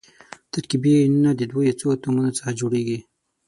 ترکیبي ایونونه د دوو یا څو اتومونو څخه جوړیږي.